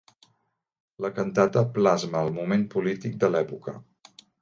La cantata plasma el moment polític de l'època.